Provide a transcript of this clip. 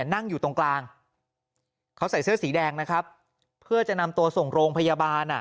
นั่งอยู่ตรงกลางเขาใส่เสื้อสีแดงนะครับเพื่อจะนำตัวส่งโรงพยาบาลอ่ะ